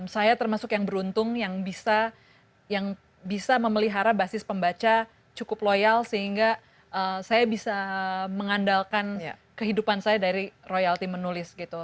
saya termasuk yang beruntung yang bisa memelihara basis pembaca cukup loyal sehingga saya bisa mengandalkan kehidupan saya dari royalti menulis gitu